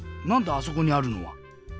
あそこにあるのは。